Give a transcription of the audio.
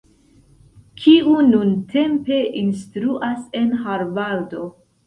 kiu nuntempe instruas en Harvardo.